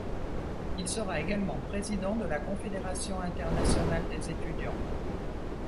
Il sera également président de la Confédération internationale des étudiants.